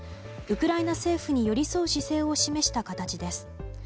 ウクライナ政府に寄り添う姿勢を示した形です。